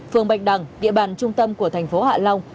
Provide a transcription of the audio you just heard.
phường bạch đằng địa bàn trung tâm của thành phố hạ long